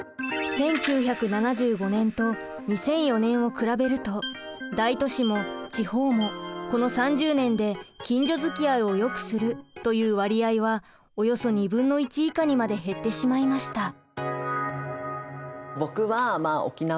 １９７５年と２００４年を比べると大都市も地方もこの３０年で近所付き合いをよくするという割合はおよそ２分の１以下にまで減ってしまいました。